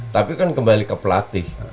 tapi kan kembali ke pelatih